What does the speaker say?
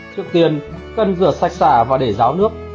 trước tiên cần rửa sạch xả và để ráo nước